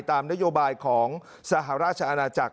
ตามนโยบายของสหราชอาณาจักร